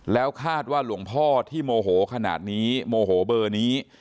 แล้วคาดว่าหลวงพ่อที่โมโหขนาดนี้โมโหเบอร์นี้